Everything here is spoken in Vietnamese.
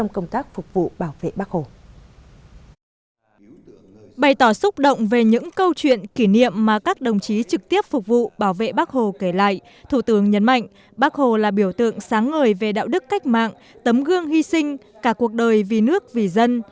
bày tỏ xúc động về những câu chuyện kỷ niệm mà các đồng chí trực tiếp phục vụ bảo vệ bác hồ kể lại thủ tướng nhấn mạnh bác hồ là biểu tượng sáng ngời về đạo đức cách mạng tấm gương hy sinh cả cuộc đời vì nước vì dân